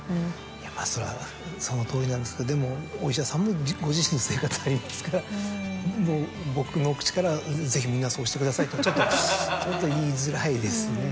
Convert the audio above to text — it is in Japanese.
それはそのとおりなんですけどでもお医者さんもご自身の生活がありますから僕の口からぜひみんなそうしてくださいとはちょっと言いづらいですね。